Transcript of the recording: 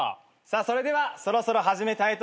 それではそろそろ始めたいと思います。